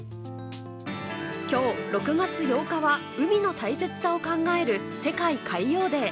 今日６月８日は海の大切さを考える世界海洋デー。